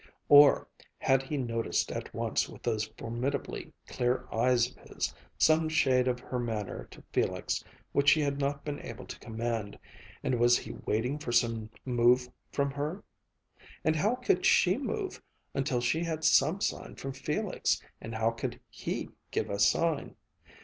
Or had he noticed at once, with those formidably clear eyes of his, some shade of her manner to Felix which she had not been able to command, and was he waiting for some move from her? And how could she move until she had some sign from Felix and how could he give a sign?